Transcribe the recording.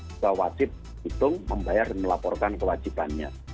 juga wajib hitung membayar dan melaporkan kewajibannya